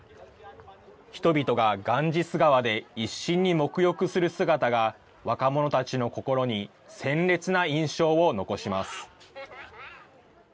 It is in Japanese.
人々が、ガンジス川で一心にもく浴する姿が若者たちの心に鮮烈な印象を残します。